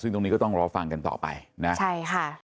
ซึ่งตรงนี้ก็ต้องรอฟังกันต่อไปนะใช่ค่ะ